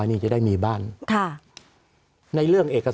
สวัสดีครับทุกคน